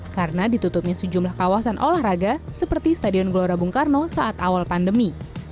karena ditutupin sejumlah kawasan olahraga seperti stadion gelora bung karno saat awal pandemi